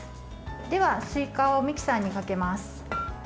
では、すいかをミキサーにかけます。